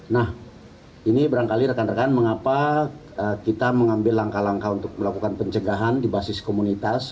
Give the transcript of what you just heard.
nah ini berangkali rekan rekan mengapa kita mengambil langkah langkah untuk melakukan pencegahan di basis komunitas